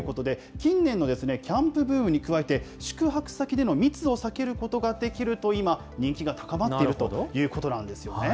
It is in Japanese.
近年のキャンプブームに加えて、宿泊先での密を避けることができると、今、人気が高まっているということなんですよね。